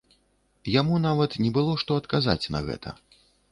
Яму нават не было што адказаць на гэта.